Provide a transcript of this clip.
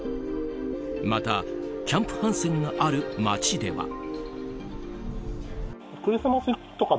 また、キャンプ・ハンセンがある町では。